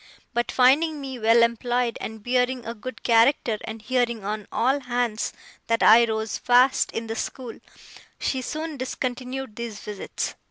But, finding me well employed, and bearing a good character, and hearing on all hands that I rose fast in the school, she soon discontinued these visits.